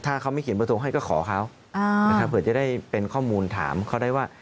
ถ้าเขาไม่เขียนเบอร์โทรให้ก็ขอเขานะครับเผื่อจะได้เป็นข้อมูลถามเขาได้ว่า